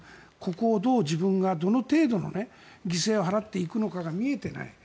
ここをどう自分がどの程度の犠牲を払っていくのかが見えてない。